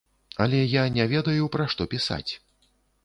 Але я не ведаю, пра што пісаць.